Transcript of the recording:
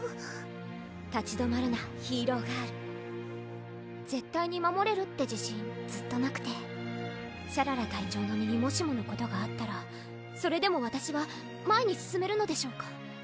「立ち止まるなヒーローガール」絶対に守れるって自信ずっとなくてシャララ隊長の身にもしものことがあったらそれでもわたしは前に進めるのでしょうか？